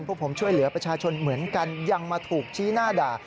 พวกผมช่วยเหลือประชาชนเหมือนกันยังมาถูกชี้หน้าด่า